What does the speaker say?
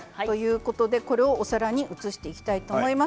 これをお皿に移していきたいと思います。